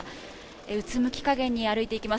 うつむき加減に歩いていきます。